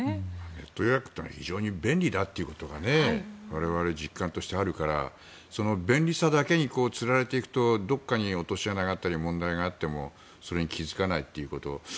ネット予約は非常に便利だということが我々、実感としてあるから便利さだけにつられていくとどこかに落とし穴があったり問題があってもそれに気付かないということ。